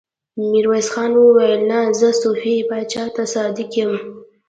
ميرويس خان وويل: نه! زه صفوي پاچا ته صادق يم.